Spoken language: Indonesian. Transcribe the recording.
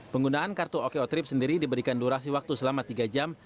penggunaan kartu oko trip sendiri diberikan durasi waktu selama tiga jam